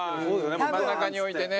真ん中に置いてね。